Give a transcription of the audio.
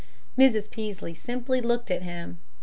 Mrs. Peaslee simply looked at him.